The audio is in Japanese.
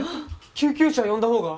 救急車呼んだ方が。